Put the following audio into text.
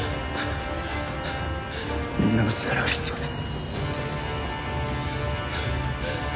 みんなの力が必要です